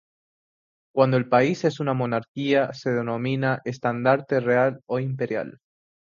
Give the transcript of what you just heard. Cuando el país es una monarquía, se denomina estandarte real o imperial.